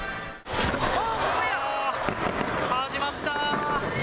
始まった。